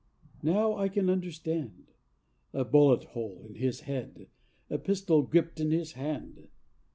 Now I can understand: A bullet hole in his head, A pistol gripped in his hand.